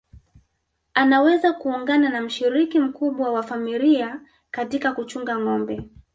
Anaweza kuungana na mshiriki mkubwa wa familia katika kuchunga ngombe